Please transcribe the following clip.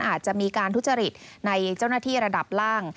อาจจะมีการทุจริตในเจ้าหน้าที่ระดับล่าง